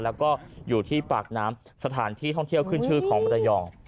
แล้วก็อยู่ที่ปากน้ำสถานที่ท่องเที่ยวขึ้นชื่อของมรยอง